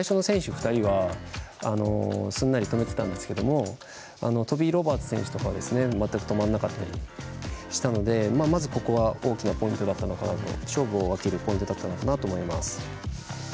２人はすんなり止めてたんですがトビー・ロバーツ選手とかは全く止まんなかったりしたのでまず、ここは大きな勝負を分けるポイントだったと思います。